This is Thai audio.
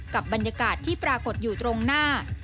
กับบรรยากาศที่ปรากฏอยู่ตรงหน้า